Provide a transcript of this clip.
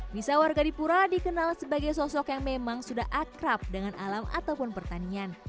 bisa warga di pura dikenal sebagai sosok yang memang sudah akrab dengan alam ataupun pertanian